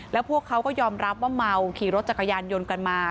แล้วพวกเขาก็ยอมรับว่าเมาขี่รถจักรยานยนต์กันมา